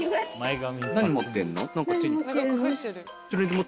何持ってるの？